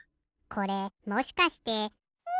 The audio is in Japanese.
これもしかして。